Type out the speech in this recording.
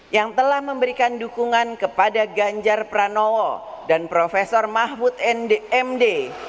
yang telah memberikan dukungan kepada ganjar pranowo dan prof mahfud mdmd